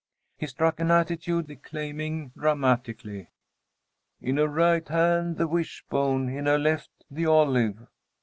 He struck an attitude, declaiming dramatically, "In her right hand the wish bone, in her left the olive."